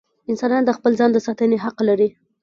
انسانان د خپل ځان د ساتنې حق لري.